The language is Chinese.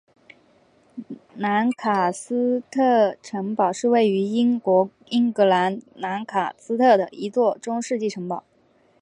兰卡斯特城堡是位于英国英格兰兰卡斯特的一座中世纪城堡。